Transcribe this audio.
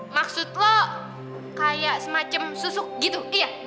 maksud lo kayak semacam susuk gitu